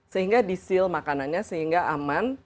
sehingga di seall makanannya sehingga aman